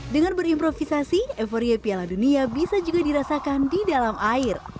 dengan berimprovisasi euforia piala dunia bisa juga dirasakan di dalam air